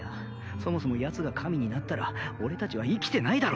そもそもヤツが神になったら俺達は生きてないだろ